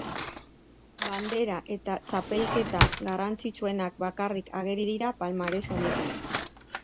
Bandera eta Txapelketa garrantzitsuenak bakarrik ageri dira palmares honetan.